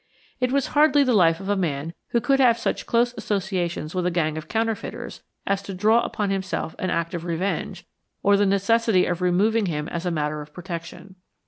It was hardly the life of a man who could have such close associations with a gang of counterfeiters as to draw upon himself an act of revenge or the necessity of removing him as a matter of protection.